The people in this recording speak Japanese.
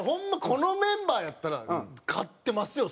このメンバーやったら勝ってますよ